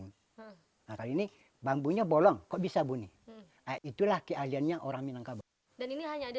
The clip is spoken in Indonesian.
nah kali ini bambunya bolong kok bisa bunyi itulah keahliannya orang minangkabau dan ini hanya ada